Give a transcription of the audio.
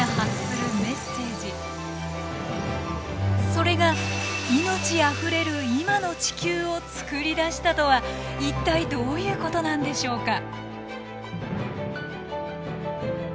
それが命あふれる今の地球を作り出したとは一体どういうことなんでしょうか？